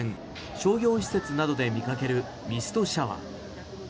商業施設などで見かけるミストシャワー。